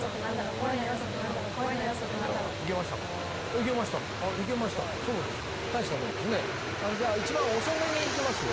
いけましたかいけましたかそうですか大したもんですねじゃあ一番遅めにいきますよ